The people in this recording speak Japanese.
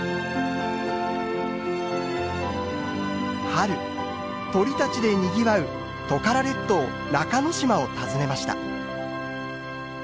春鳥たちでにぎわうトカラ列島中之島を訪ねました。